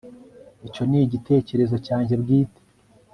Icyo ni igitekerezo cyanjye bwite